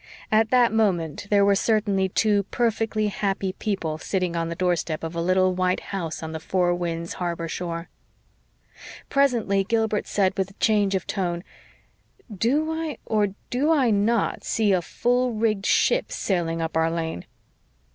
At that moment there were certainly two perfectly happy people sitting on the doorstep of a little white house on the Four Winds Harbor shore. Presently Gilbert said, with a change of tone, "Do I or do I not see a full rigged ship sailing up our lane?"